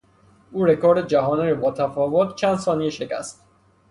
او رکورد جهانی را با تفاوت چند ثانیه شکست.